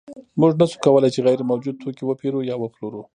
موږ نشو کولی چې غیر موجود توکی وپېرو یا وپلورو